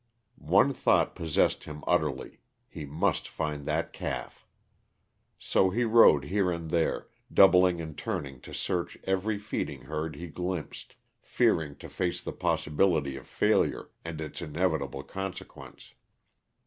One thought possessed him utterly; he must find that calf. So he rode here and there, doubling and turning to search every feeding herd he glimpsed, fearing to face the possibility of failure and its inevitable consequence.